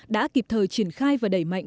đã kịp thời triển khai và đẩy mạnh